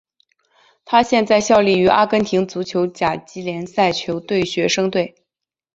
他现在效力于阿根廷足球甲级联赛球队学生队。